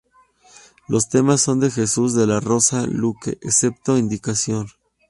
Los temas son de Jesús de la Rosa Luque, excepto indicación.